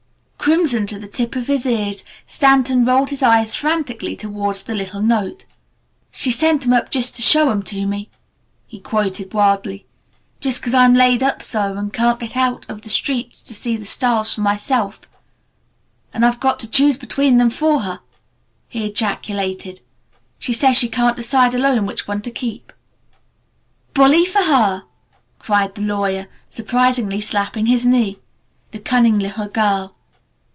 Crimson to the tip of his ears, Stanton rolled his eyes frantically towards the little note. "She sent 'em up just to show 'em to me," he quoted wildly. "Just 'cause I'm laid up so and can't get out on the streets to see the styles for myself. And I've got to choose between them for her!" he ejaculated. "She says she can't decide alone which one to keep!" "Bully for her!" cried the lawyer, surprisingly, slapping his knee. "The cunning little girl!"